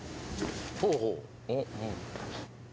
ほうほう。